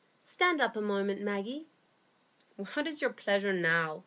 "Stand up a moment, Maggie." "What is your pleasure now?"